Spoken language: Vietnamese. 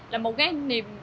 là một cái niềm